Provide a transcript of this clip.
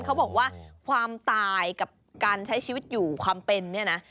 เขาบอกว่าความตายกับการใช้ชีวิตอยู่ความเป็นเนี่ยนะ